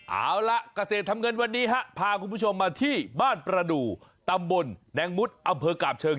เอาล่ะเกษตรทำเงินวันนี้ฮะพาคุณผู้ชมมาที่บ้านประดูกตำบลแดงมุดอำเภอกาบเชิง